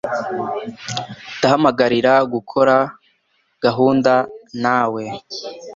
Ndahamagarira gukora gahunda nawe.